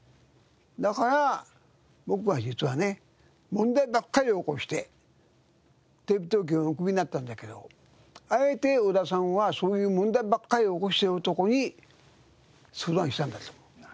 だから僕は実はね問題ばっかり起こしてテレビ東京をクビになったんだけどあえて小田さんはそういう問題ばっかり起こしている男に相談したんだと。